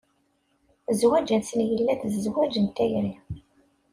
Zzwaǧ-nsen yella-d d zzwaǧ n tayri.